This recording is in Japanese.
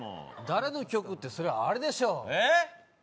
誰の曲って、それはあれでしょ。